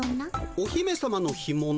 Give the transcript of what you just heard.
お姫さまの干もの？